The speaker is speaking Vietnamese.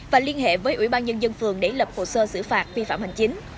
và liên hệ với ủy ban nhân dân phường để lập hồ sơ xử phạt vi phạm hành chính